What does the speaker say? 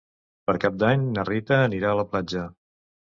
Per Cap d'Any na Rita anirà a la platja.